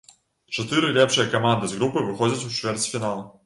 Чатыры лепшыя каманды з групы выходзяць у чвэрцьфінал.